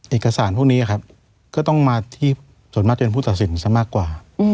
เอกสารพวกนี้ครับก็ต้องมาที่ส่วนมากจะเป็นผู้ตัดสินซะมากกว่า